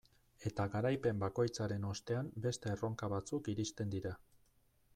Eta garaipen bakoitzaren ostean beste erronka batzuk iristen dira.